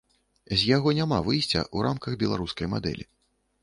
З яго няма выйсця ў рамках беларускай мадэлі.